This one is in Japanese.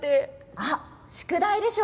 あ、宿題でしょ。